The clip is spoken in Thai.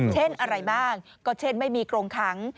เช่นอะไรบ้างก็เช่นไม่มีกรงขัง